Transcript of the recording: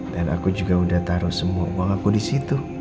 dan aku juga udah taruh semua uang aku disitu